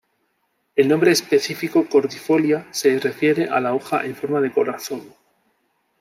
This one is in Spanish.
El nombre específico, "cordifolia", se refiere a la hoja en forma de corazón.